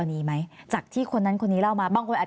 แต่ได้ยินจากคนอื่นแต่ได้ยินจากคนอื่น